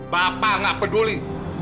bapak tidak peduli